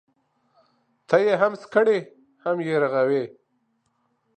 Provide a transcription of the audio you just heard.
ته يې هم سکڼې ، هم يې رغوې.